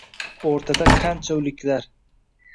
O‘rtada qancha o‘liklar.